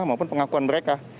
maupun pengakuan mereka